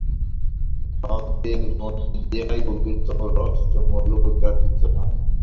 ভাবের মধ্য দিয়াই গভীরতম রহস্যসমূহ উদ্ঘাটিত হয়।